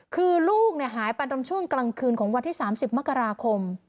คือลูกหายไปตอนช่วงกลางคืนของวันที่๓๐มกราคม